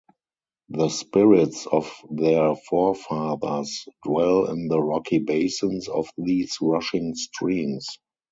The spirits of their forefathers dwell in the rocky basins of these rushing streams.